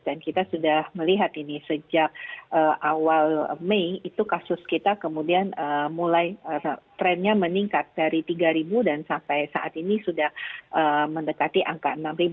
dan kita sudah melihat ini sejak awal mei itu kasus kita kemudian mulai trennya meningkat dari tiga dan sampai saat ini sudah mendekati angka enam